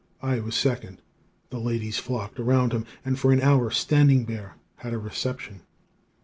I was second. The ladies flocked around him, and for an hour Standing Bear had a reception."